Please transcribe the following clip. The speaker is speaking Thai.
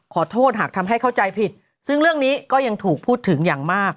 ขอโทษหากทำให้เข้าใจผิดซึ่งเรื่องนี้ก็ยังถูกพูดถึงอย่างมาก